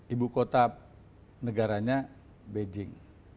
ibu kota negaranya beijing